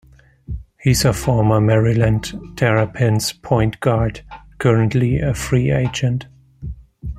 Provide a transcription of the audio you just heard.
He is a former Maryland Terrapins point guard, currently a free agent.